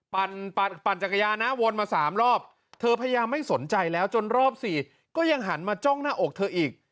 ปั่นจักรยานนะวนมา๓รอบเธอพยายามไม่สนใจแล้วจนรอบสี่ก็ยังหันมาจ้องหน้าอกเธออีก